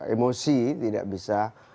emosi tidak bisa